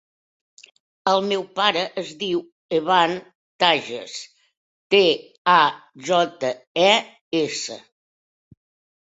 El meu pare es diu Evan Tajes: te, a, jota, e, essa.